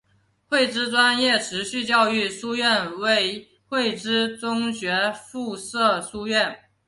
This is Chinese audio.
汇知专业持续教育书院为汇知中学附设书院。